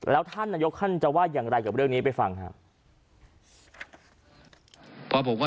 แล้วท่านนายกท่านจะว่าอย่างไรกับเรื่องนี้ไปฟังครับ